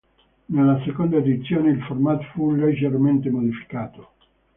Nella seconda edizione il format fu leggermente modificato.